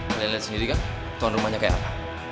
kalian liat sendiri kan tuan rumahnya kaya apa